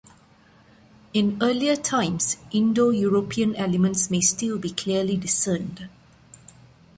In earlier times, Indo-European elements may still be clearly discerned.